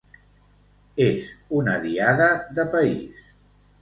És una diada de país.